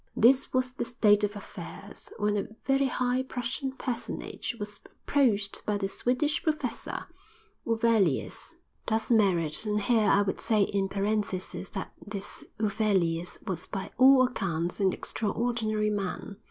This was the state of affairs when a very high Prussian personage was approached by the Swedish professor, Huvelius. Thus Merritt, and here I would say in parenthesis that this Huvelius was by all accounts an extraordinary man.